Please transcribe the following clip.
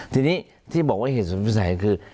ทีนี้ที่บอกว่าเหตุสมพิสัยคือ